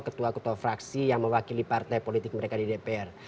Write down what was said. ketua ketua fraksi yang mewakili partai politik mereka di dpr